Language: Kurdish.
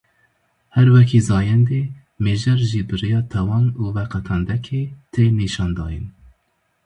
Her wekî zayendê, mêjer jî bi riya tewang û veqetandekê tê nîşandayîn